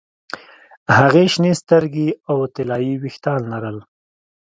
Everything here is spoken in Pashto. هغې شنې سترګې او طلايي ویښتان لرل